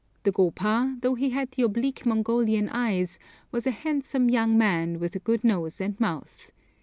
The gopa, though he had the oblique Mongolian eyes, was a handsome young man, with a good nose and mouth.